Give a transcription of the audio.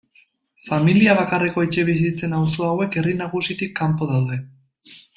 Familia bakarreko etxebizitzen auzo hauek herri nagusitik kanpo daude.